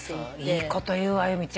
いいこと言うわ由美ちゃん。